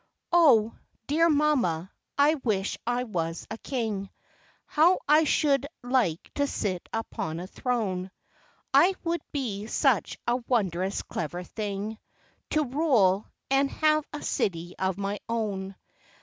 O ! dear mamma, I wish I was a King, How I should like to sit upon a throne. It would be such a wondrous clever thing To rule, and have a city of my own.